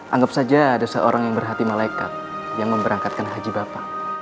anggap saja ada seorang yang berhati malaikat yang memberangkatkan haji bapak